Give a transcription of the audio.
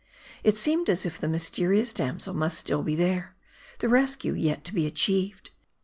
It seemed as if the mys terious damsel must still be there ; the rescue yet to be achieved.